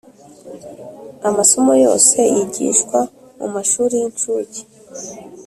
amasomo yose yigishwa mu mashuri y incuke